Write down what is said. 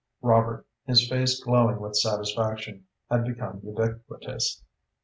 Robert, his face glowing with satisfaction, had become ubiquitous.